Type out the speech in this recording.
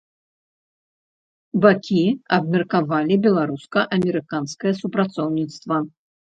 Бакі абмеркавалі беларуска-амерыканскае супрацоўніцтва.